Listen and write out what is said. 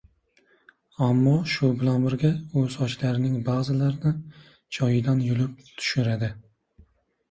ammo shu bilan birga u sochlarning ba’zilarini joyidan yulib tushiradi.